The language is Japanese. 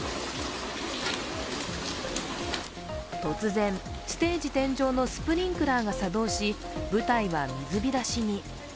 突然、ステージ天井のスプリンクラーが作動し、舞台は水浸しに。